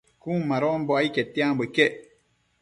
Cun madonbo ai quetianbo iquec